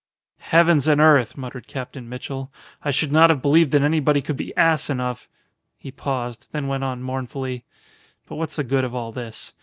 '" "Heavens and earth!" muttered Captain Mitchell, "I should not have believed that anybody could be ass enough " He paused, then went on mournfully: "But what's the good of all this?